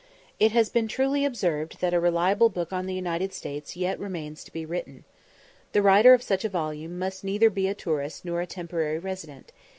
It has been truly observed that a reliable book on the United States yet remains to be written. The writer of such a volume must neither be a tourist nor a temporary resident.